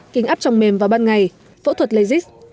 kính áp trong mềm vào ban ngày phẫu thuật lây dích